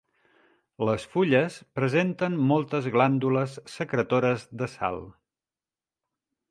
Les fulles presenten moltes glàndules secretores de sal.